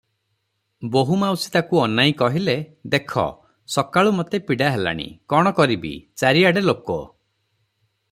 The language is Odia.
ବୋହୂମାଉସୀ ତାକୁ ଅନାଇ କହିଲେ, "ଦେଖ ସକାଳୁ ମୋତେ ପୀଡ଼ା ହେଲାଣି, କଣ କରିବି, ଚାରିଆଡ଼େ ଲୋକ ।